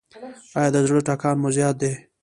ایا د زړه ټکان مو زیات دی؟